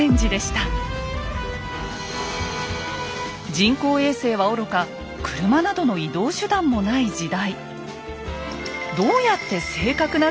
人工衛星はおろか車などの移動手段もない時代。